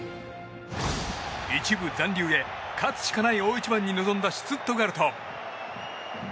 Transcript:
一部残留へ勝つしかない大一番に臨んだシュツットガルト。